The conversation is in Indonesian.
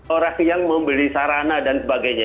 orang yang membeli sarana dan sebagainya